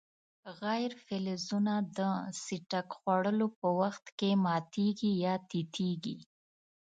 غیر فلزونه د څټک خوړلو په وخت کې ماتیږي یا تیتیږي.